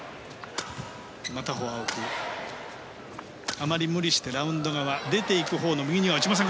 あまり無理してラウンド側出ていくほうには打ちません。